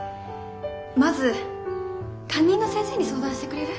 まず担任の先生に相談してくれる？